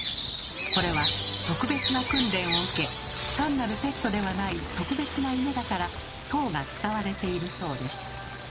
これは特別な訓練を受け単なるペットではない特別な犬だから「頭」が使われているそうです。